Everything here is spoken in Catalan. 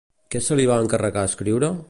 Què se li va encarregar escriure?